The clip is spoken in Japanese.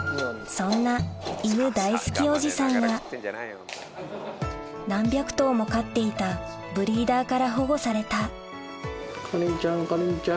そんな犬大好きおじさんが何百頭も飼っていたブリーダーから保護されたかりんちゃんかりんちゃん。